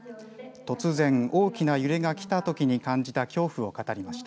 突然大きな揺れがきたときに感じた恐怖を語りました。